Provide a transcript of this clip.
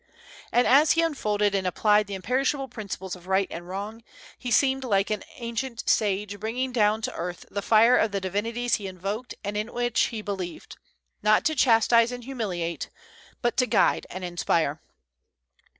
And as he unfolded and applied the imperishable principles of right and wrong, he seemed like an ancient sage bringing down to earth the fire of the divinities he invoked and in which he believed, not to chastise and humiliate, but to guide and inspire.